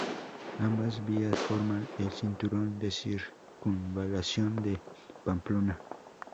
Ambas vías forman el cinturón de circunvalación de Pamplona.